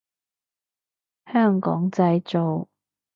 香港製造